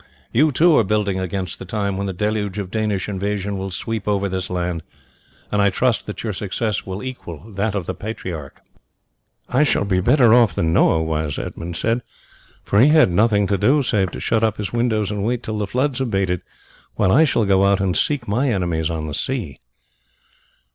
You, too, are building against the time when the deluge of Danish invasion will sweep over this land, and I trust that your success will equal that of the patriarch." "I shall be better off than Noah was," Edmund said, "for he had nothing to do, save to shut up his windows and wait till the floods abated, while I shall go out and seek my enemies on the sea."